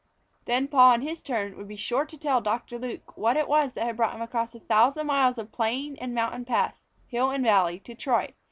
Then Paul in his turn would be sure to tell Doctor Luke what it was that had brought him across a thousand miles of plain and mountain pass, hill and valley, to Troy.